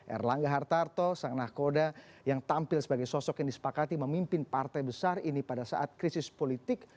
erlangga hartarto sang nakoda yang tampil sebagai sosok yang disepakati memimpin partai besar ini pada saat krisis politik